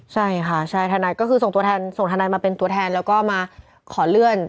ใช่ค่ะใช่ทนายก็คือส่งตัวแทนส่งทนายมาเป็นตัวแทนแล้วก็มาขอเลื่อน